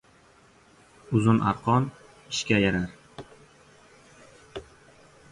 Uzun arqon – ishga yarar